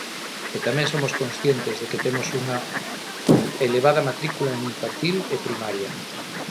E tamén somos conscientes de que temos unha elevada matrícula en infantil e primaria.